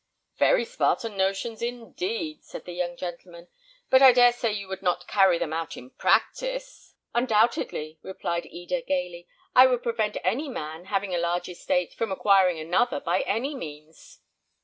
"Very Spartan notions, indeed!" said the young gentleman; "but I dare say you would not carry them out in practice." "Undoubtedly," replied Eda, gaily; "I would prevent any man, having a large estate, from acquiring another by any means."